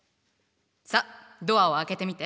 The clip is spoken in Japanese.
さっドアを開けてみて。